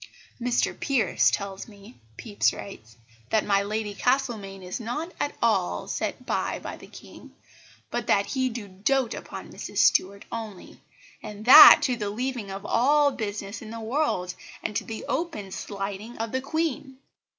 "Mr Pierce tells me," Pepys writes, "that my Lady Castlemaine is not at all set by by the King, but that he do doat upon Mrs Stuart only, and that to the leaving of all business in the world, and to the open slighting of the Queen.